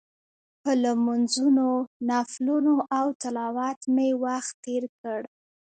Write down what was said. په لمونځونو، نفلونو او تلاوت مې وخت تېر کړ.